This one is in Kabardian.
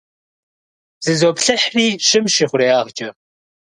Зызоплъыхьри щымщ ихъуреягъкӏэ.